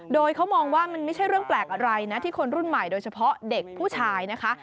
โดยเขามองว่ามันไม่ใช่เรื่องแปลกอะไรนะที่คนรุ่นใหม่โดยเฉพาะเด็กผู้ชายนะคะ